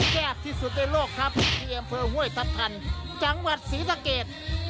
ยากที่สุดในโลกครับที่อำเภอห้วยทัพทันจังหวัดศรีสะเกด